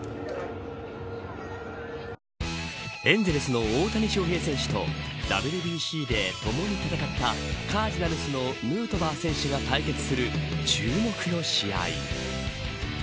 エンゼルスの大谷翔平選手とＷＢＣで共に戦ったカージナルスのヌートバー選手が対決する注目の試合。